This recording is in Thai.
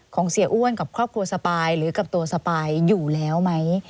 เสียอ้วนกับครอบครัวสปายหรือกับตัวสปายอยู่แล้วไหม